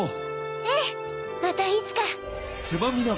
ええまたいつか。